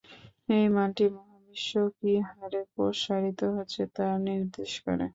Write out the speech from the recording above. এই মানটি মহাবিশ্ব কি হারে প্রসারিত হচ্ছে তা নির্দেশ করে।